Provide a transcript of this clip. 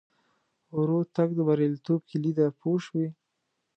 ورو تګ د بریالیتوب کیلي ده پوه شوې!.